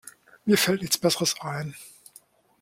Mir fällt nichts Besseres ein.